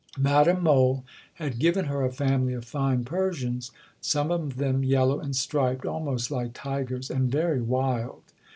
Madame Mohl had given her a family of fine Persians, some of them yellow and striped, almost like tigers, and very wild.